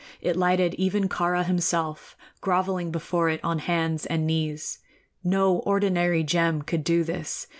It lighted even Kāra himself, groveling before it on hands and knees. No ordinary gem could do this.